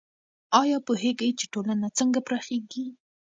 آیا پوهېږئ چې ټولنه څنګه پراخیږي؟